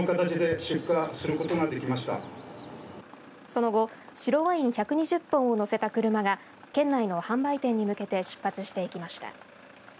その後、白ワイン１２０本を乗せた車が県内の販売店に向けて出発していきました。